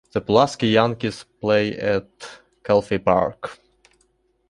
The Pulaski Yankees play at Calfee Park.